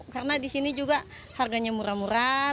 karena di sini juga harganya murah murah